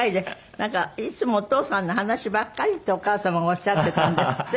なんか「いつもお父さんの話ばっかり」ってお母様がおっしゃってたんですって？